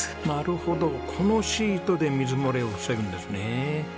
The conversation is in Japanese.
なるほどこのシートで水漏れを防ぐんですね。